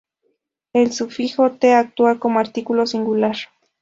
El sufijo -"t" actúa como artículo singular.